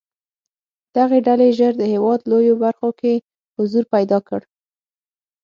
دغې ډلې ژر د هېواد لویو برخو کې حضور پیدا کړ.